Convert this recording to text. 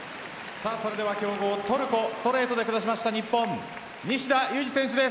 それでは強豪・トルコをストレートで下しました、日本西田有志選手です。